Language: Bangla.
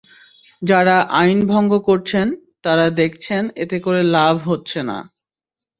যাঁরা আইন ভঙ্গ করছেন, তাঁরা দেখছেন, এতে করে লাভ হচ্ছে না।